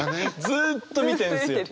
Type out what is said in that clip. ずっと見てるんですよ。